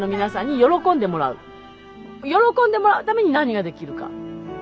喜んでもらうために何ができるか。